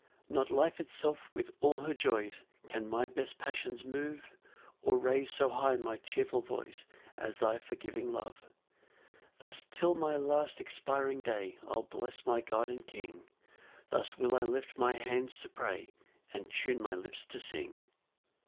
5 Not life itself with all her joys, Can my best passions move, Or raise so high my cheerful voice As thy forgiving love. 6 Thus till my last expiring day I'll bless my God and King; Thus will I lift my hands to pray, And tune my lips to sing.